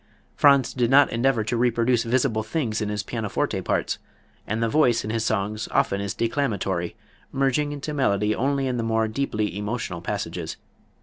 Franz did not endeavor to reproduce visible things in his pianoforte parts, and the voice in his songs often is declamatory, merging into melody only in the more deeply emotional passages.